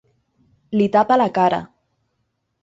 Li tapa la cara.